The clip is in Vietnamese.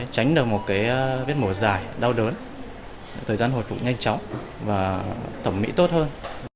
tránh được một cái vết mổ dài đau đớn thời gian hồi phục nhanh chóng và thẩm mỹ tốt hơn